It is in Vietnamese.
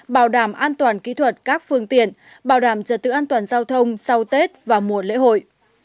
bảo đảm an toàn kỹ thuật các phương tiện bảo đảm trật tự an toàn giao thông sau tết và mùa lễ hội